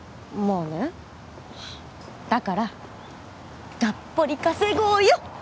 あねだからがっぽり稼ごうよ！